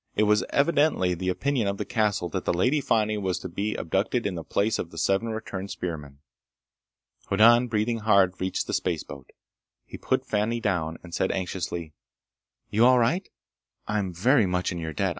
It was evidently the opinion of the castle that the Lady Fani was to be abducted in the place of the seven returned spearmen. Hoddan, breathing hard, reached the spaceboat. He put Fani down and said anxiously: "You're all right? I'm very much in your debt!